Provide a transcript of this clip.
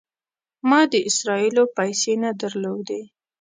ما د اسرائیلو پیسې نه درلودې.